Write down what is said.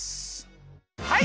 はい。